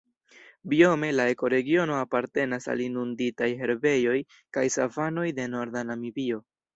Biome la ekoregiono apartenas al inunditaj herbejoj kaj savanoj de norda Namibio.